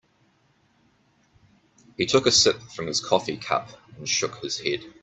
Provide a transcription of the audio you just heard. He took a sip from his coffee cup and shook his head.